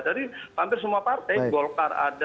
jadi hampir semua partai golkar ada